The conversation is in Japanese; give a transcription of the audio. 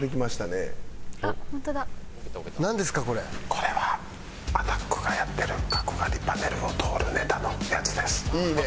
これはアタックがやってる角刈りパネルを通るネタのやつです。